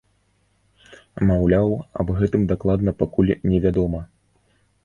Маўляў, аб гэтым дакладна пакуль невядома.